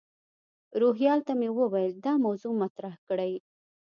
روهیال ته مې وویل دا موضوع مطرح کړي.